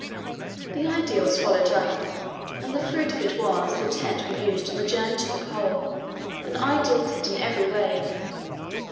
The idea was followed up, and the fruit of it was the tent we used on the journey to the Pole an ideal tent in every way.